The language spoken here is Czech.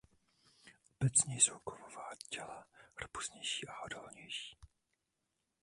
Obecně jsou kovová těla robustnější a odolnější.